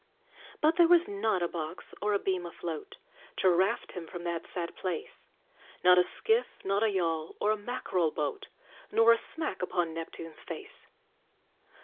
But there was not a box or a beam afloat, To raft him from that sad place; Not a skiff, not a yawl, or a mackerel boat, Nor a smack upon Neptune's face.